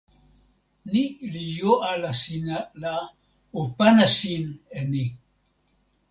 ni li jo ala sina la o pana sin e ni.